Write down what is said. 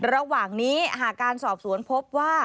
ระหว่างนี้หากการสอบสวนพบว่า